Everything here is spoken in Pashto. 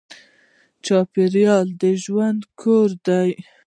چاپېریال د ژوند کور دی.